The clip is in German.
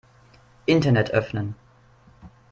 Internet öffnen.